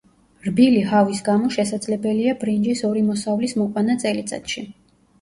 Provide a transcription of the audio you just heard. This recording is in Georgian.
რბილი ჰავის გამო შესაძლებელია ბრინჯის ორი მოსავლის მოყვანა წელიწადში.